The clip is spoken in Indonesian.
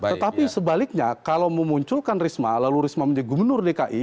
tetapi sebaliknya kalau memunculkan risma lalu risma menjadi gubernur dki